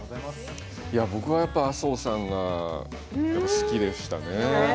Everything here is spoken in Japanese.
僕はやっぱ麻生さんが好きでしたね。